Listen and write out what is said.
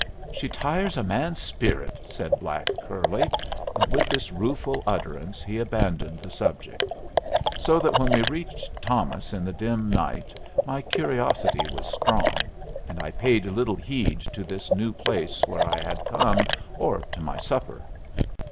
"She tires a man's spirit," said black curly, and with this rueful utterance he abandoned the subject; so that when we reached Thomas in the dim night my curiosity was strong, and I paid little heed to this new place where I had come or to my supper.